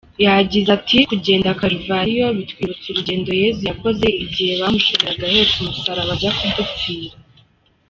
Yagize ati “Kugenda Karuvariyo bitwibutsa urugendo Yezu yakoze igihe bamushoreraga ahetse umusaraba ajya kudupfira.